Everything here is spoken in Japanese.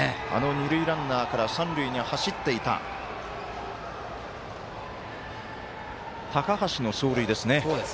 二塁ランナーから三塁に走っていた高橋の走塁ですね。